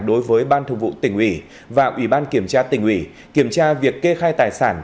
đối với ban thường vụ tỉnh ủy và ủy ban kiểm tra tỉnh ủy kiểm tra việc kê khai tài sản